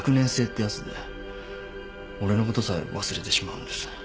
俺のことさえ忘れてしまうんです。